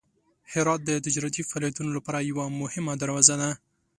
هرات د تجارتي فعالیتونو لپاره یوه مهمه دروازه ده.